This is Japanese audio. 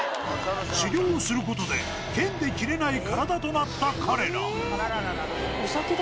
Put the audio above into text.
修業することで剣で切れない体となった彼らお酒だ。